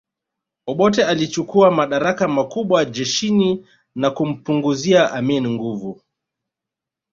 Obote alichukua madaraka makubwa jeshini na kumpunguzia Amin nguvu